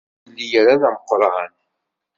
Ur yelli ara d ameqṛan.